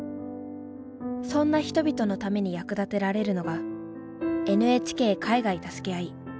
そんな人々のために役立てられるのが「ＮＨＫ海外たすけあい」。